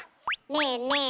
ねえねえ